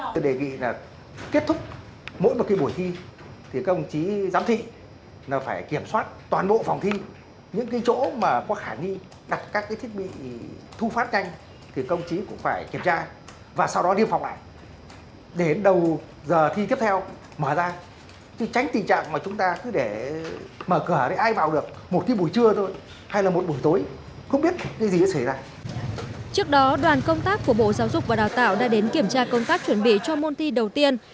trước đó đoàn công tác của bộ giáo dục và đào tạo đã đến kiểm tra công tác chuẩn bị cho môn thi đầu tiên